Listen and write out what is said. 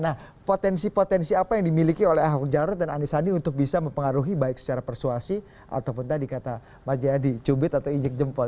nah potensi potensi apa yang dimiliki oleh ahok jarot dan ani sandi untuk bisa mempengaruhi baik secara persuasi ataupun tadi kata mas jayadi cubit atau injek jempol